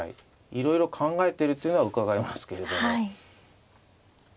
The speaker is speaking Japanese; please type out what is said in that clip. いろいろ考えてるというのはうかがえますけれども。